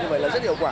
nhưng mà rất hiệu quả